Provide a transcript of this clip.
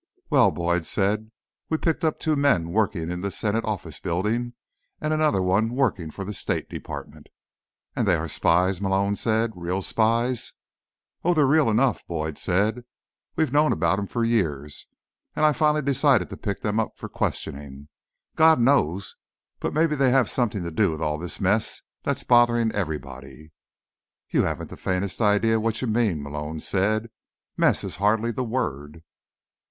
"Well," Boyd said, "we picked up two men working in the Senate Office Building, and another one working for the State Department." "And they are spies?" Malone said. "Real spies?" "Oh, they're real enough," Boyd said. "We've known about 'em for years, and I finally decided to pick them up for questioning. God knows, but maybe they have something to do with all this mess that's bothering everybody." "You haven't the faintest idea what you mean," Malone said. "Mess is hardly the word."